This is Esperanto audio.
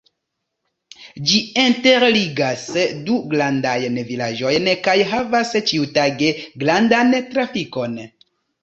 Ĝi interligas du grandajn vilaĝojn kaj havas ĉiutage grandan trafikon.